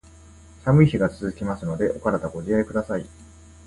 寒い日が続きますので、お体ご自愛下さい。